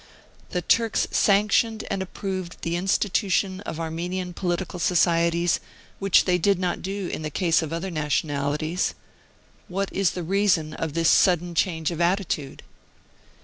The Turks sanctioned and approved the institution of Armenian political societies, which they did not do in the case of other nationalities. 54 Conclusion What is the reason of this sudden change of attitude